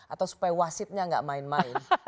atau supaya wasitnya nggak main main